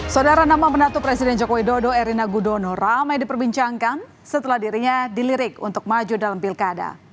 saudara nama menatu presiden joko widodo erina gudono ramai diperbincangkan setelah dirinya dilirik untuk maju dalam pilkada